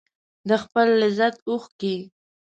د خپل لذت اوښکې